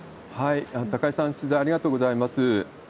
高井さん、取材ありがとうございます。